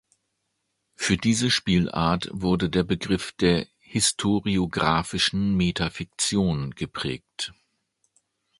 Für diese Spielart wurde der Begriff der historiografischen Metafiktion geprägt.